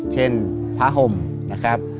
เช่นพระห่มนะครับ